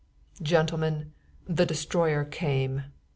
Gentlemen, the destroyer came.